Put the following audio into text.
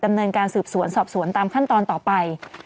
ดำเนินการสืบสวนสอบสวนตามขั้นตอนต่อไป